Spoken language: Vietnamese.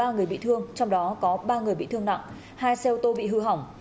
ba người bị thương trong đó có ba người bị thương nặng hai xe ô tô bị hư hỏng